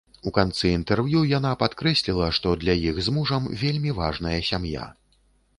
У канцы інтэрв'ю яна падкрэсліла, што для іх з мужам вельмі важная сям'я.